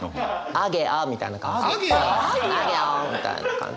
「アゲァ」みたいな感じ。